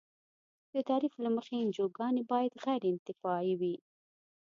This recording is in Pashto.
د تعریف له مخې انجوګانې باید غیر انتفاعي وي.